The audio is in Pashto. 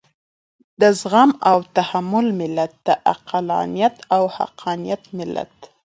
د زغم او تحمل ملت، د عقلانيت او حقانيت ملت.